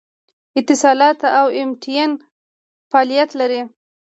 اتصالات او ایم ټي این فعالیت لري